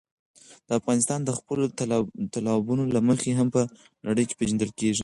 افغانستان د خپلو تالابونو له مخې هم په نړۍ پېژندل کېږي.